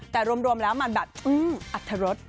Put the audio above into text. แต่รวมแล้วมันแบบอัตรรส